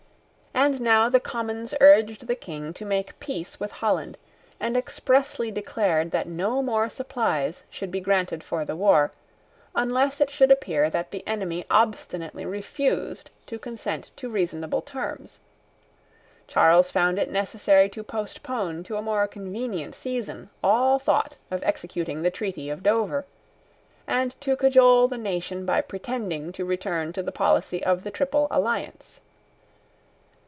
And now the Commons urged the King to make peace with Holland, and expressly declared that no more supplies should be granted for the war, unless it should appear that the enemy obstinately refused to consent to reasonable terms. Charles found it necessary to postpone to a more convenient season all thought of executing the treaty of Dover, and to cajole the nation by pretending to return to the policy of the Triple Alliance.